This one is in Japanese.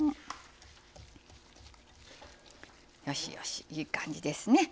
よしよしいい感じですね。